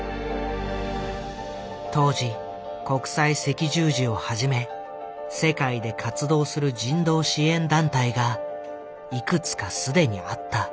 当時国際赤十字をはじめ世界で活動する人道支援団体がいくつか既にあった。